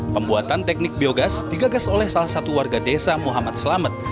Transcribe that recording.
pembuatan teknik biogas digagas oleh salah satu warga desa muhammad selamet